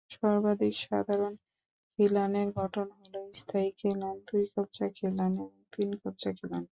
সর্বাধিক সাধারণ খিলানের গঠন হল স্থায়ী খিলান, দুই-কবজা খিলান, এবং তিন-কবজা খিলান।